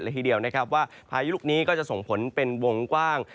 ทีเดียวนะครับว่าพายุลูกนี้ก็จะส่งผลเป็นวงกว้าง